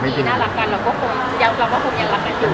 ถ้านี่น่ารักกัน